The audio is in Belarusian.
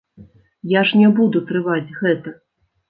Я ж не буду трываць гэта.